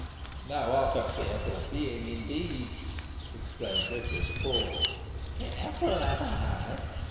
Ho! ho!" "Thou art a fearful being, indeed!" exclaimed Richard, appalled. "Fearful, am I?"